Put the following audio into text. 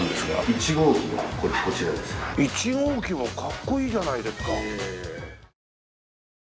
１号機はかっこいいじゃないですか。